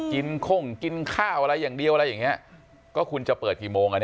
กินข้องกินข้าวอะไรอย่างเดียวอะไรอย่างนี้ก็คุณจะเปิดกี่โมง